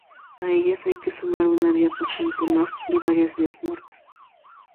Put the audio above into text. A ellas hay que sumar una vía pasante más y varias vías muertas.